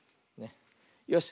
よし。